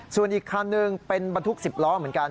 ส่วนอีกคันหนึ่งเป็นบรรทุก๑๐ล้อเหมือนกัน